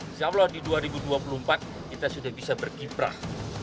insya allah di dua ribu dua puluh empat kita sudah bisa berkiprah